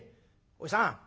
おじさん